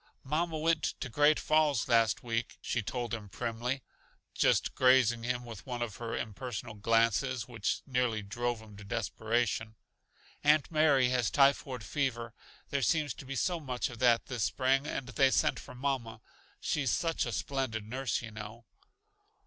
"Mamma went to Great Falls last week," she told him primly, just grazing him with one of her impersonal glances which nearly drove him to desperation. "Aunt Mary has typhoid fever there seems to be so much of that this spring and they sent for mamma. She's such a splendid nurse, you know."